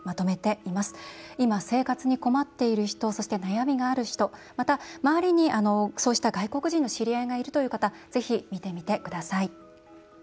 いま、せいかつにこまっているひとそして、なやみがあるひとまた、周りにそうした外国人の知り合いがいるという方ぜひ見てみてください。